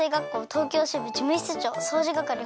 東京支部事務室長掃除係